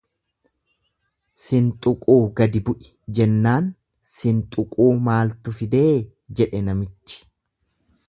"""Sinxuquu gadi bu'i"" jennaan ""sinxuquu maaltu fidee"" jedhe namichi."